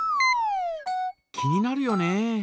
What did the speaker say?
気になるよね。